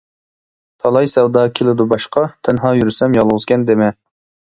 تالاي سەۋدا كېلىدۇ باشقا، تەنھا يۈرسەم يالغۇزكەن دېمە.